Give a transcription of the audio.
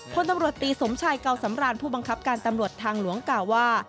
พลตำรวจตีสมชัยเก่าสำรานผู้บังคับการตำรวจทางหลวงกล่าวว่า